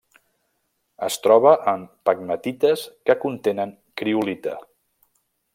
Es troba en pegmatites que contenen criolita.